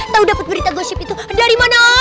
tau dapat berita gosip itu dari mana